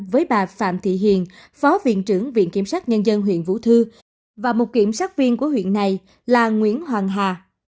với bà phạm thị hiền phó viện trưởng viện kiểm sát nhân dân huyện vũ thư và một kiểm sát viên của huyện này là nguyễn hoàng hà